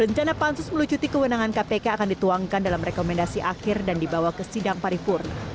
rencana pansus melucuti kewenangan kpk akan dituangkan dalam rekomendasi akhir dan dibawa ke sidang paripurna